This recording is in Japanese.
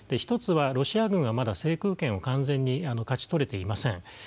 １つはロシア軍はまだ制空権を完全に勝ち取れていません。